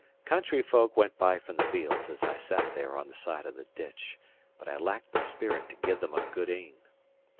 Country folk went by from the fields as I sat there on the side of the ditch, but I lacked the spirit to give them a good e'en.